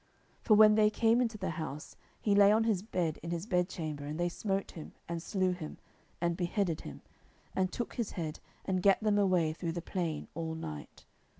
10:004:007 For when they came into the house, he lay on his bed in his bedchamber, and they smote him, and slew him, and beheaded him, and took his head, and gat them away through the plain all night.